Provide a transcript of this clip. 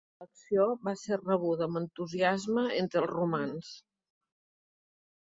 L'elecció va ser rebuda amb entusiasme entre els romans.